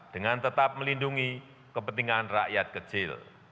dengan tetap melindungi kepentingan rakyat kecil